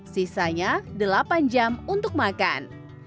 sisanya delapan jam untuk makan